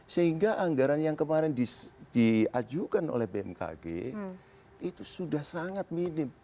sehingga anggaran yang kemarin diajukan oleh bmkg itu sudah sangat minim